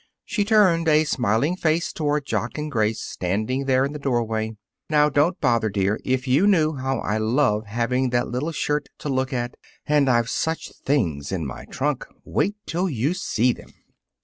She turned a smiling face toward Jock and Grace standing there in the doorway. "Now don't bother, dear. If you knew how I love having that little shirt to look at! And I've such things in my trunk! Wait till you see them."